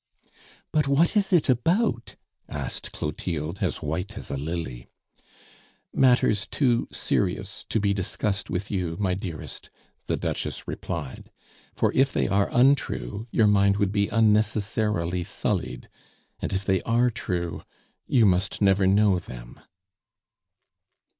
"But what is it about?" asked Clotilde as white as a lily. "Matters too serious to be discussed with you, my dearest," the Duchess replied. "For if they are untrue, your mind would be unnecessarily sullied; and if they are true, you must never know them."